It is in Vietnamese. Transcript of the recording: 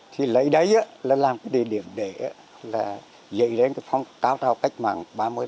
thì lấy đấy là làm cái địa điểm để là dậy lên cái phong trào cách mạng ba nghìn ba mươi một